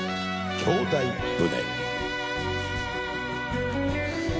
『兄弟船』。